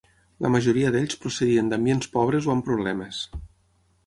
La majoria d'ells procedien d'ambients pobres o amb problemes.